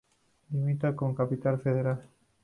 Limita con la Capital Federal.